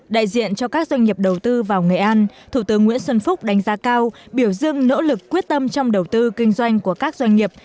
đại diện cho các doanh nghiệp đầu tư vào nghệ an thủ tướng nguyễn xuân phúc đánh giá cao biểu dưng nỗ lực quyết tâm trong đầu tư kinh doanh của các doanh nghiệp